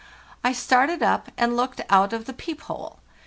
I started up, and looked out of the peep hole.